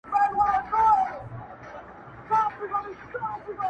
له پاچا او له رعیته څخه ورک سو.!